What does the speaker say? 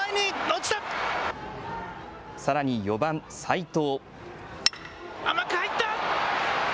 さらに４番・齋藤。